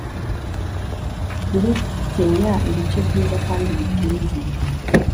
guhekenya ibice byiza kandi bitinze